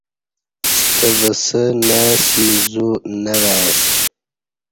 ستہ وسہ نہ اسی زو نہ وای اسی